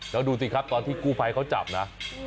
แล้วดูสิครับตอนที่กู้ภัยเขาจับนะ